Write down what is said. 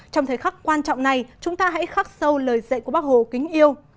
trong thời khắc quan trọng này chúng ta hãy khắc sâu lời dạy của bác hồ kính yêu